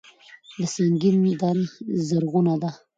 د سنګین دره زرغونه ده